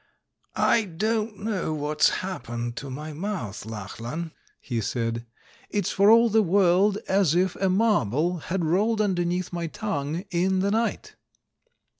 "I don't know what's happened to my mouth, Lachlan," he said; "it's for all the world as if a marble had rolled underneath my tongue in the night."